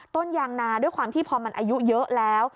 ต้นยางนาด้วยความที่พอมันอายุเยอะแล้ว